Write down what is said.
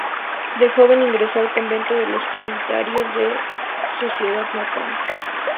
De joven ingresó al convento de los trinitarios de de su ciudad natal.